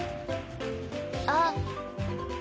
あっ。